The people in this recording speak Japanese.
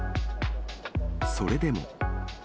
それでも。